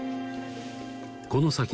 この先